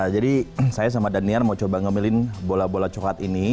jadi saya sama danian mau coba ngambilin bola bola cohat ini